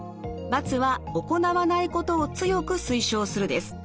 ×は行わないことを強く推奨するです。